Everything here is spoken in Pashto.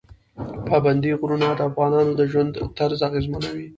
پابندی غرونه د افغانانو د ژوند طرز اغېزمنوي.